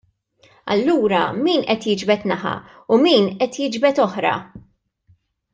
Allura min qed jiġbed naħa u min qed jiġbed oħra.